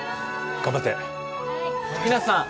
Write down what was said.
頑張って・はい日向さん